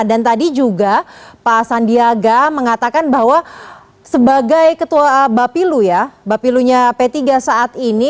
dan tadi juga pak sandiaga mengatakan bahwa sebagai ketua bapilu ya bapilunya p tiga saat ini